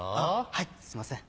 はいすいません。